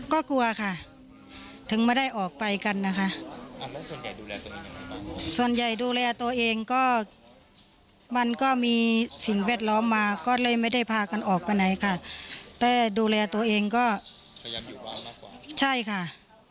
ก็กลัวค่ะถึงไม่ได้ออกไปกันนะคะส่วนใหญ่ดูแลตัวเองก็มันก็มีสิ่งแวดล้อมมาก็เลยไม่ได้พากันออกไปไหนค่ะแต่ดูแลตัวเองก็ใช่ค่ะ